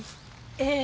ええ。